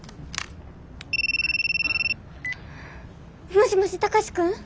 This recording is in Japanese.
もしもし貴司君！？